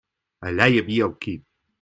Allà hi havia el quid.